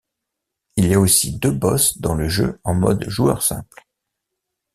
Il y a aussi deux boss dans le jeu en mode joueur simple.